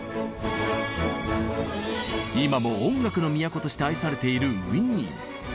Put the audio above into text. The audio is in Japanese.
今も音楽の都として愛されているウィーン。